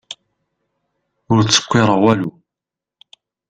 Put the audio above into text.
Ur ttṣekkiṛeɣ walu.